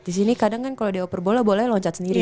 di sini kadang kan kalau dioper bola bolanya loncat sendiri